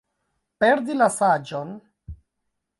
Perdi la saĝon.